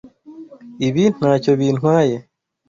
Ibi ntacyo bintwaye.